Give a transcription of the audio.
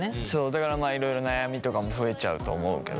だからまあいろいろ悩みとかも増えちゃうと思うけど。